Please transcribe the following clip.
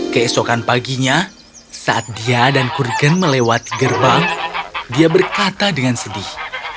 keesokan paginya saat dia dan kurgen melewati gerbang dia berkata dengan sedih